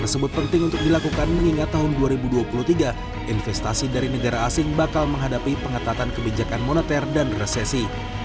sehingga tahun dua ribu dua puluh tiga investasi dari negara asing bakal menghadapi pengetatan kebijakan moneter dan resesi